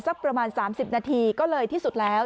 ประมาณ๓๐นาทีก็เลยที่สุดแล้ว